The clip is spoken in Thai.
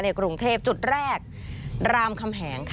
กรุงเทพจุดแรกรามคำแหงค่ะ